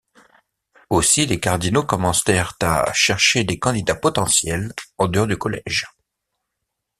Aussi, les cardinaux commencèrent à chercher des candidats potentiels en dehors du Collège.